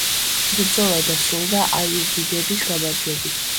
ბრძოლა დასრულდა აიუბიდების გამარჯვებით.